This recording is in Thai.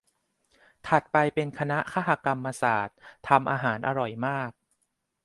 ถัดไปเป็นคณะคหกรรมศาสตร์ ทำอาหารอร่อยมาก